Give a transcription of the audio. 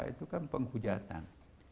itu kan penghujatan